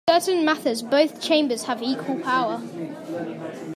In certain matters both Chambers have equal power.